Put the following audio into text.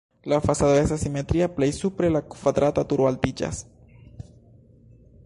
La fasado estas simetria, plej supre la kvadrata turo altiĝas.